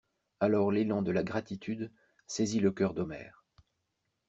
Alors l'élan de la gratitude saisit le cœur d'Omer.